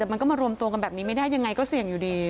แต่มันก็มารวมตัวกันแบบนี้ไม่ได้ยังไงก็เสี่ยงอยู่ดี